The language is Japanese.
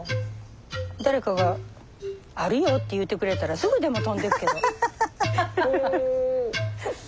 誰かがあるよって言ってくれたらすぐでも飛んでくけど。